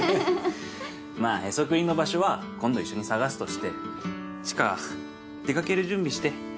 まあへそくりの場所は今度一緒に捜すとして知花出掛ける準備して。